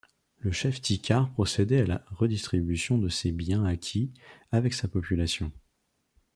Le chef Tikar procédait à la redistribution de ses biens acquis avec sa population.